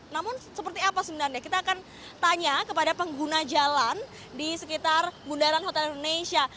namun seperti apa sebenarnya kita akan tanya kepada pengguna jalan di sekitar bundaran hotel indonesia